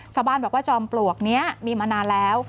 ชาวบ้านบอกว่าจอมปลวกนี้มีมานานแล้ว